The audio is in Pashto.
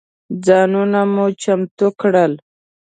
ځانونه مو چمتو کړل.